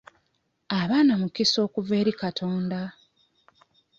Abaana mukisa okuva eri Katonda.